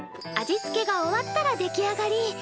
味付けが終わったら出来上がり。